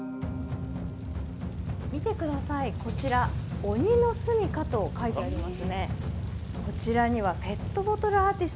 見てください、こちら鬼の住処と書いてありますね。